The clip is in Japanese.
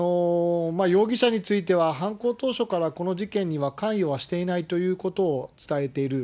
容疑者については、犯行当初からこの事件には関与はしていないということを伝えている。